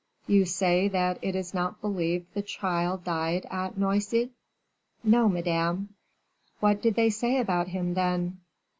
"You say that it is not believed the child died at Noisy?" "No, madame." "What did they say about him, then?"